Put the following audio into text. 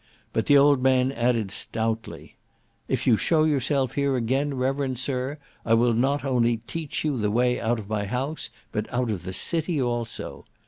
but the old man added stoutly. If you show yourself here again, reverend sir, I will not only teach you the way out of my house, but out of the city also.